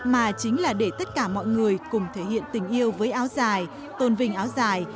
mà chính là để tất cả mọi người cùng thể hiện tình yêu với áo dài tôn vinh áo dài